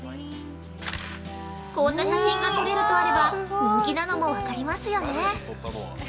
こんな写真が撮れるとあれば、人気なのもわかりますよね。